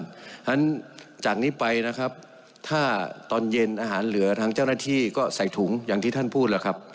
เพราะฉะนั้นจากนี้ไปนะครับถ้าตอนเย็นอาหารเหลือทางเจ้าหน้าที่ก็ใส่ถุงอย่างที่ท่านพูดแล้วครับ